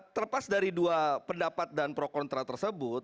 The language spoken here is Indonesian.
terlepas dari dua pendapat dan pro kontra tersebut